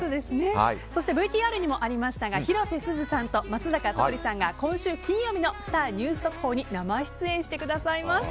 そしてＶＴＲにもありましたが広瀬すずさんと松坂桃李さんが今週金曜日のスター☆ニュース速報に生出演してくださいます。